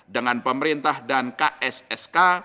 dengan pemerintah dan kssk